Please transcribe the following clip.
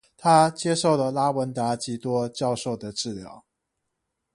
他接受了拉文達笈多教授的治療。